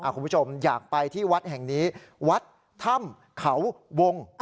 คุณผู้ชมอยากไปที่วัดแห่งนี้วัดถ้ำเขาวง